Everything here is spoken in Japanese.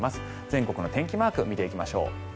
全国の天気マークを見ていきましょう。